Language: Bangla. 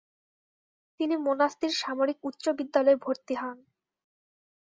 তিনি মোনাস্তির সামরিক উচ্চ বিদ্যালয়ে ভর্তি হন।